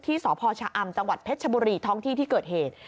สพชะอำจังหวัดเพชรชบุรีท้องที่ที่เกิดเหตุ